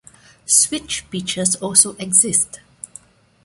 Switch pitchers also exist.